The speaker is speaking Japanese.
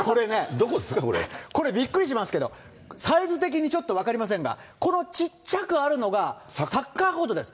どこですか、これ、びっくりしますけど、サイズ的にちょっと分かりませんが、このちっちゃくあるのがサッカーコートです。